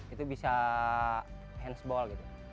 itu bisa handsball